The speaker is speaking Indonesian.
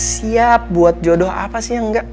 siap buat jodoh apa sih yang enggak